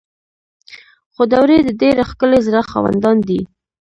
خو دوی د ډیر ښکلي زړه خاوندان دي.